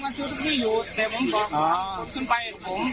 น้องฌิวทุกที่อยู่แต่เมื่อผมขอต่อขนไปกับผม